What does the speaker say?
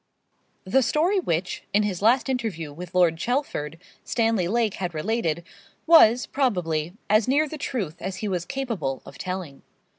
The story which, in his last interview with Lord Chelford, Stanley Lake had related, was, probably, as near the truth as he was capable of telling.